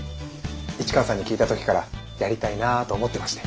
市川さんに聞いた時からやりたいなぁと思ってまして。